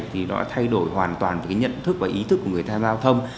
thì nó đã thay đổi hoàn toàn từ cái nhận thức và ý thức của người tham gia giao thông